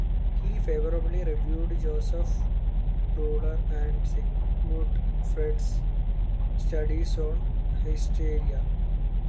He favorably reviewed Josef Breuer and Sigmund Freud's "Studies on Hysteria".